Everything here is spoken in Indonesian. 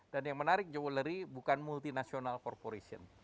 yang menarik jewelry bukan multinational corporation